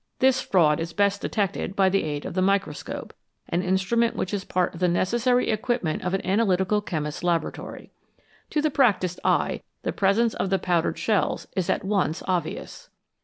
This fraud is best de tected by the aid of the microscope, an instrument which is part of the necessary equipment of an analytical chetnist'l laboratory. To the practised eye the presence of the powdered shells is at once obvious.